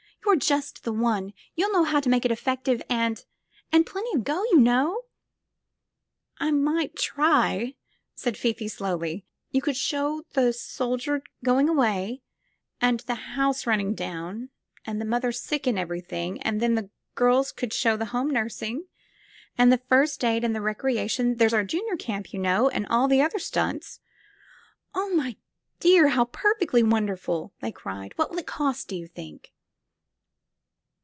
You're just the one! You'll know just how to make it eflfective and ... and plenty of go, you know." '' I might try, '' said Fifi slowly. '* You could show the soldier going away, and the house running down, and the mother sick and everything; and then the girls could show the home nursing and the first aid and the recreation — ^there's our junior camp, you know — and all the other stunts.'* "Oh, my dear! How perfectly wonderful!" they cried. "What will it cost, do you think?"